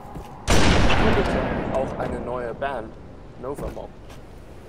Er gründete auch eine neue Band, Nova Mob.